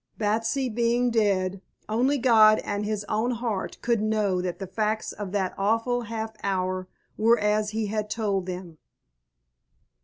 Batsy being dead, only God and his own heart could know that the facts of that awful half hour were as he had told them.